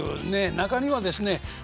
中にはですね